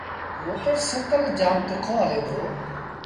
موٽر سآئيٚڪل جآم تکو هلي دو۔